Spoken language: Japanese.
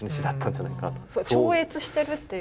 超越してるっていう。